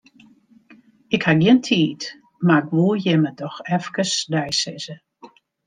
Ik haw gjin tiid, mar 'k woe jimme doch efkes deisizze.